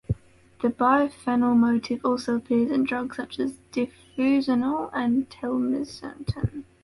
The biphenyl motif also appears in drugs such as diflunisal and telmisartan.